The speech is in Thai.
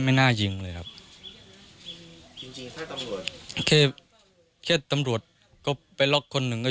มองว่าบางที่เรื่องเนี่ยคิดกันเองคุยกันยังไงว่า